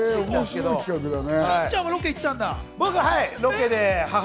金ちゃんはロケへ行ったんだ。